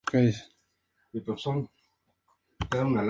Los artistas de la corriente hardcore sentaron las bases del hardstyle.